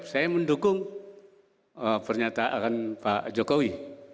saya mendukung pernyataan pak jokowi